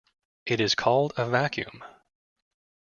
It is called a vacuum.